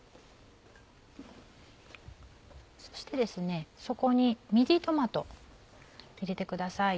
そしてそこにミディトマト入れてください。